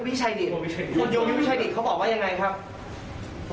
ยุมยุตวิชัยดิตคุณยุมยุตวิชัยดิตเขาบอกว่าอย่างไรครับ